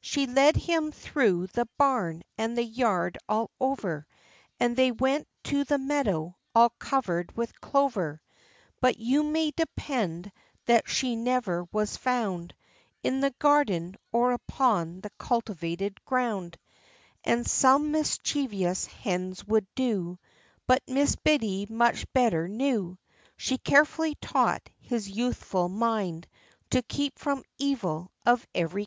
She led him through the barn, and the yard all over, And they went to the meadow, all covered with clover; But you may depend that she never was found In the garden, or upon the cultivated ground, As some mischievous hens would do ; But Mrs. Biddy much better knew: She carefully taught his youthful mind To keep from evil of every kind.